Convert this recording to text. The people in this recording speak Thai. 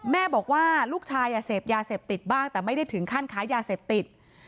แม่บอกว่าลูกชายเสพยาเสพติดบ้างแต่ไม่ได้ถึงขั้นค้ายาเสพติด